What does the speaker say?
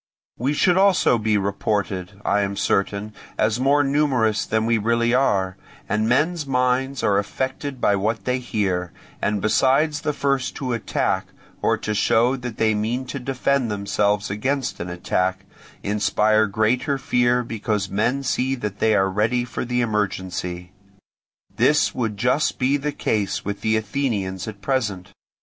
We should also be reported, I am certain, as more numerous than we really are, and men's minds are affected by what they hear, and besides the first to attack, or to show that they mean to defend themselves against an attack, inspire greater fear because men see that they are ready for the emergency. This would just be the case with the Athenians at present.